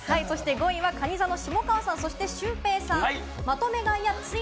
５位は、かに座の下川さんとシュウペイさん。